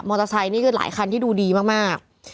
มอเตอร์ไซค์นี่คือหลายคันที่ดูดีมาก